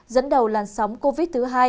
dẫn đầu làn sóng covid hai